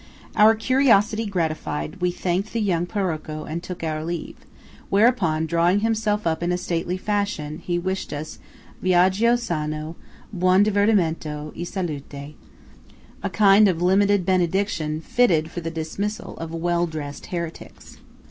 Our curiosity gratified, we thanked the young Paroco and took our leave; whereupon, drawing himself up in a stately fashion, he wished us "Viaggio sano, buon divertimento, e salute":–a kind of limited benediction fitted for the dismissal of well dressed heretics.